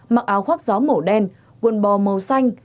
mặc áo khoác gió màu đen cuộn bò màu xanh